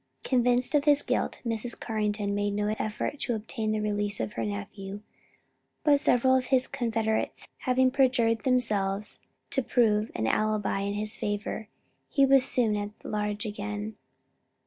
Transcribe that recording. Convinced of his guilt, Mrs. Carrington made no effort to obtain the release of her nephew, but several of his confederates having perjured themselves to prove an alibi in his favor, he was soon at large again.